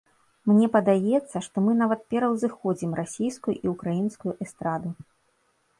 Мне падаецца, што мы нават пераўзыходзім расійскую і ўкраінскую эстраду.